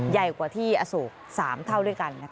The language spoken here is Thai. ใหญ่กว่าที่อโศก๓เท่าด้วยกัน